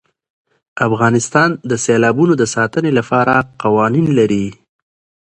افغانستان د سیلابونه د ساتنې لپاره قوانین لري.